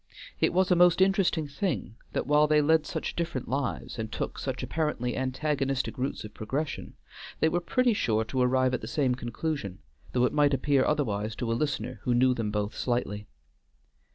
It was a most interesting thing that while they led such different lives and took such apparently antagonistic routes of progression, they were pretty sure to arrive at the same conclusion, though it might appear otherwise to a listener who knew them both slightly.